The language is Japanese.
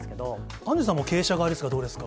アンジュさんも経営者側ですが、どうですか。